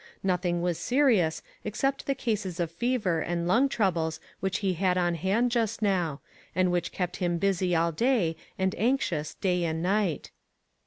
Nothing was serious, except the cases of fever and lung troubles which he had on hand just now, and which kept him busy 446 ONE COMMONPLACE DAY. all day, and anxious day and night.